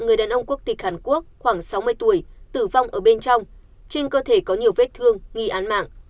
người đàn ông quốc tịch hàn quốc khoảng sáu mươi tuổi tử vong ở bên trong trên cơ thể có nhiều vết thương nghi án mạng